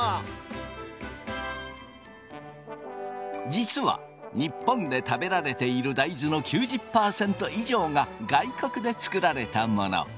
実は日本で食べられている大豆の９０％以上が外国で作られたもの。